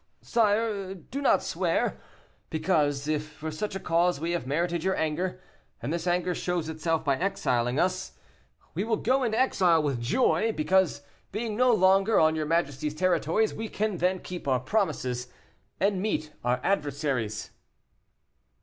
sire; do not swear; because, if for such a cause we have merited your anger, and this anger shows itself by exiling us, we will go into exile with joy, because, being no longer on your majesty's territories, we can then keep our promises, and meet our adversaries."